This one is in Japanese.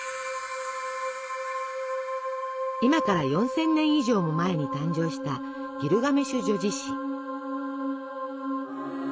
今から４，０００年以上も前に誕生した「ギルガメシュ叙事詩」。